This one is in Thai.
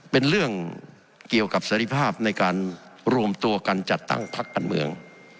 เป็นเรื่องเกี่ยวกับเสรีภาพในการรวมตัวกันจัดตั้งพักการเมือง